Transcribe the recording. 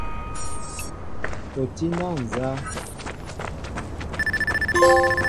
O tí na nzá ?